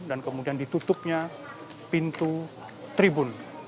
dan kemudian ditutupnya pintu tribun